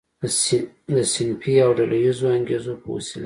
د صنفي او ډله ییزو انګیزو په وسیله.